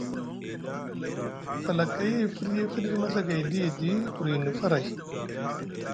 Falakay e firyi e fiɗiɗi maɵagayɗi edi burini faray.